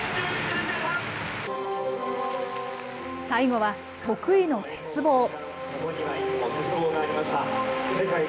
最後は得意の鉄棒。